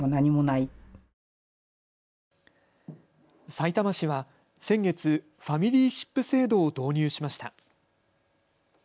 さいたま市は先月、ファミリーシップ制度を導入しました。